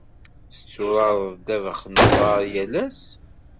Tetturareḍ ddabex n uḍar yal ass?